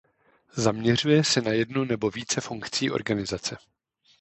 Zaměřuje se na jednu nebo více funkci organizace.